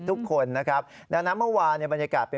นายยกรัฐมนตรีพบกับทัพนักกีฬาที่กลับมาจากโอลิมปิก๒๐๑๖